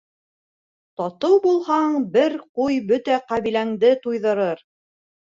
Татыу булһаң, бер ҡуй бөтә ҡәбиләңде туйҙырыр.